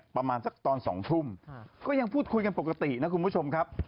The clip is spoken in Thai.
ประมาณสักตอน๒ทุ่มก็ยังพูดคุยกันปกตินะคุณผู้ชมครับ